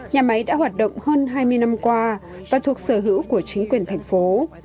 nhà máy đã hoạt động hơn hai mươi năm qua và thuộc sở hữu của chính quyền thành phố